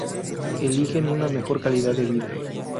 Eligen una mejor calidad de vida.